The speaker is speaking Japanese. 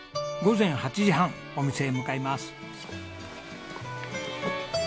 午前８時半お店へ向かいます。